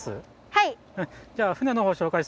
はい！